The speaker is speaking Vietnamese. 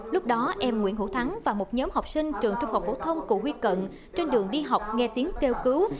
lúc đó em nguyễn hữu thắng và một nhóm học sinh trường trung học phổ thông cù huy cận trên đường đi học nghe tiếng kêu cứu